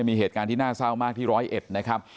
มีเหตุการณ์ที่น่าเศร้ามากที่๑๐๑นะครับ